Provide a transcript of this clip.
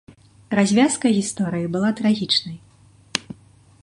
Развязка гісторыі была трагічнай.